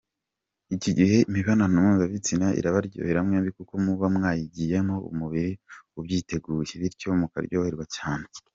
Iki gihe imibonano mpuzabitsina irabaryohera mwembi kuko muba mwayigiyemo umubiri ubyiteguye, bityo mukaryoherwa cyane.